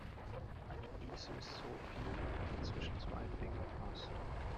Eine Prise ist so viel, wie zwischen zwei Finger passt.